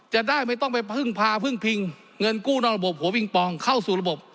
จะได้ไม่ต้องไปพึ่งพาพึ่งพิงเงินกู้นอกระบบหัวปิงปองเข้าสู่ระบบ